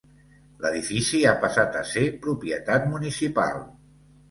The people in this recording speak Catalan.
L'edifici ha passat a ser propietat municipal.